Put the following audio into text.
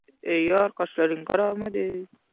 • Buqaning shoxi o‘smaguncha suzmaydi.